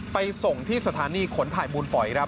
ไปส่งที่สถานีขนถ่ายมูลฝอยครับ